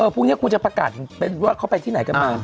พรุ่งนี้คุณจะประกาศเป็นว่าเขาไปที่ไหนกันมา